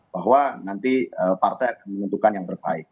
bahwa nanti partai akan menentukan yang terbaik